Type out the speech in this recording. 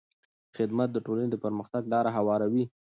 خدمت د ټولنې د پرمختګ لاره هواروي.